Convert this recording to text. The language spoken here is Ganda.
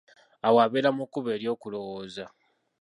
Awo abera mu kkubo ery'okulowooza.